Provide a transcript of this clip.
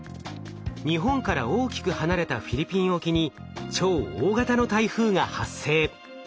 日本から大きく離れたフィリピン沖に超大型の台風が発生。